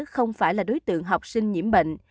không phải là đối tượng học sinh nhiễm bệnh